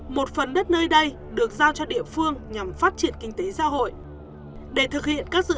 một phần đất nơi đây được giao cho địa phương nhằm phát triển kinh tế xã hội để thực hiện các dự